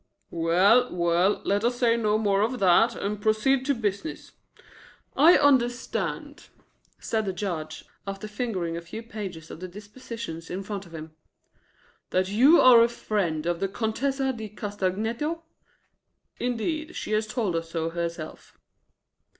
"Well, well, let us say no more of that, and proceed to business. I understand," said the Judge, after fingering a few pages of the dispositions in front of him, "that you are a friend of the Contessa di Castagneto? Indeed, she has told us so herself."